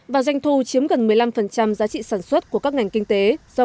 và doanh thu chiếm gần một mươi năm giá trị sản xuất của các ngành kinh tế do